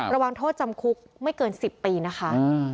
ระวังโทษจำคุกไม่เกิน๑๐ปีนะคะ